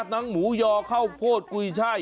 ทั้งหมูยอเข้ากวีช่าย